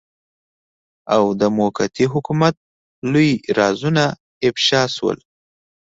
او د موقتي حکومت لوی رازونه افشاء شول.